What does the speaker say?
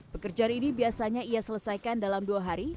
pekerjaan ini biasanya ia selesaikan dalam dua hari